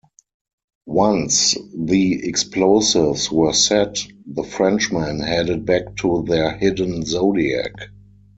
Once the explosives were set, the Frenchmen headed back to their hidden Zodiac.